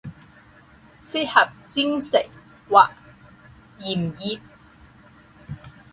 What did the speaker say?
适合煎食或盐腌。